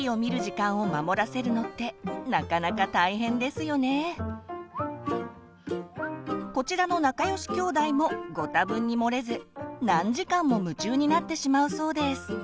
子どもにこちらの仲良し兄弟もご多分に漏れず何時間も夢中になってしまうそうです。